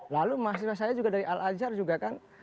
lalu mahasiswa saya juga dari al azhar juga kan